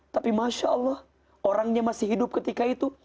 tapi masya allah orangnya masih hidup ketika itu